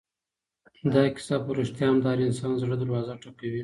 دا کیسه په رښتیا هم د هر انسان د زړه دروازه ټکوي.